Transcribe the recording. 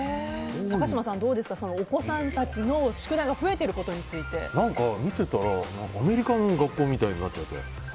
高嶋さん、お子さんたちの宿題が増えてることについて見てたらアメリカの学校みたいになっちゃってる。